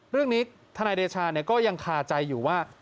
เรื่องนี้ทนายเดชาก็ยังขาใจอยู่ว่า